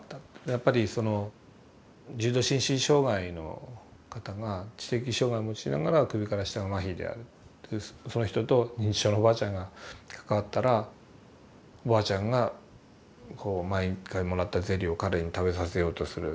やっぱりその重度心身障害の方が知的障害を持ちながら首から下が麻痺であるというその人と認知症のおばあちゃんが関わったらおばあちゃんがこう毎回もらったゼリーを彼に食べさせようとする。